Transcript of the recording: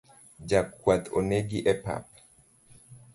Jakwath onegi epap